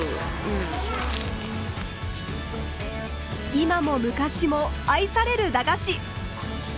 今も昔も愛される駄菓子。